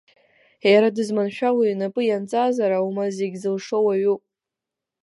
Иара дызманшәалоу инапы ианҵазар, аума зегьы зылшо уаҩуп.